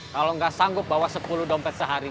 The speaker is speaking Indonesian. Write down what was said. kalau nggak sanggup bawa sepuluh dompet sehari